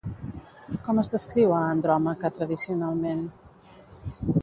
Com es descriu a Andròmaca tradicionalment?